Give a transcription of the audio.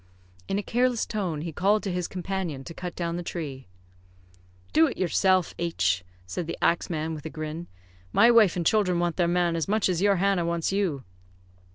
In a careless tone, he called to his companion to cut down the tree. "Do it yourself, H ," said the axe man, with a grin. "My wife and children want their man as much as your Hannah wants you."